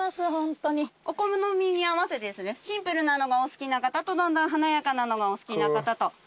お好みに合わせてですねシンプルなのがお好きな方と華やかなのがお好きな方と。